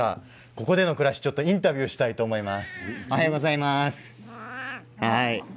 ここでの暮らしインタビューしたいと思います。